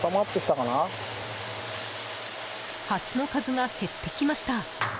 ハチの数が減ってきました。